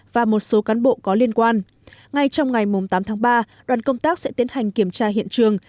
và một số cán bộ có liên quan ngay trong ngày tám tháng ba đoàn công tác sẽ tiến hành kiểm tra hiện trường